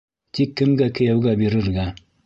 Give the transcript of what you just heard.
Тик кемгә кейәүгә бирергә?